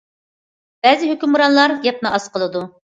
بەزى ھۆكۈمرانلار گەپنى ئاز قىلىدۇ.